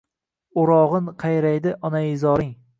O’rog’in qayraydi onaizoring.